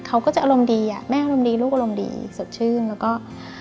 เขาก็จะอารมณ์ดีอะ